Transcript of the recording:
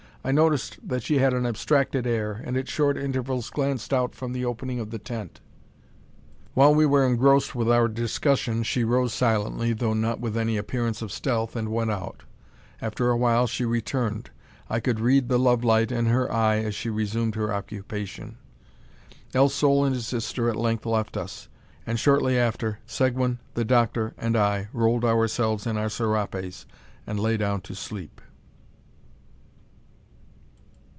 I noticed that she had an abstracted air, and at short intervals glanced out from the opening of the tent. While we were engrossed with our discussion she rose silently, though not with any appearance of stealth, and went out. After a while she returned. I could read the love light in her eye as she resumed her occupation. El Sol and his sister at length left us, and shortly after Seguin, the doctor, and I rolled ourselves in our serapes, and lay down to sleep.